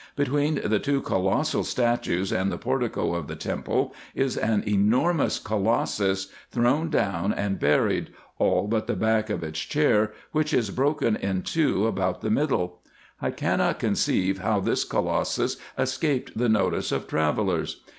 Between the two colossal statues and the portico of the temple is an enormous colossus, thrown down and buried, all but the back of its chair, which is broken in two about the middle. I cannot conceive how this colossus escaped the notice of travellers.